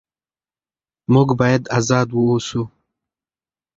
موږ باید ازاد واوسو.